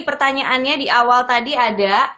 pertanyaannya di awal tadi ada